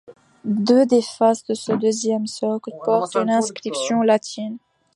Deux des faces de ce deuxième socle porte une inscription latine.